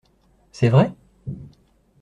C’est vrai ?